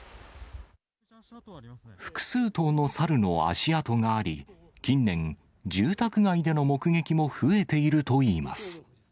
複数頭のサルの足跡があり、近年、住宅街での目撃も増えているといいます。